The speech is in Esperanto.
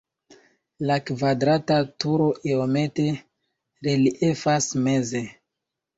La kvadrata turo iomete reliefas meze.